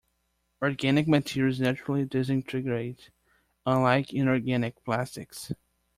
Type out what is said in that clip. Organic materials naturally disintegrate unlike inorganic plastics.